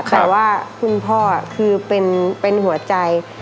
แต่ว่าคุณพ่อคือเป็นหัวใจ